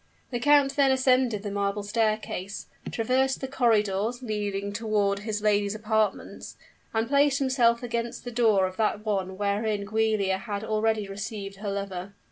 The count then ascended the marble staircase, traversed the corridors leading toward his lady's apartments, and placed himself against the door of that one wherein Giulia had already received her lover.